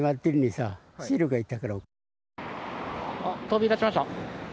飛び立ちました。